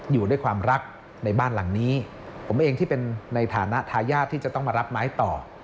อยู่ด้วยความรักในบ้านหลังนี้ผมเองที่เป็นในฐานะทายาทที่จะต้องมารับไม้ต่อ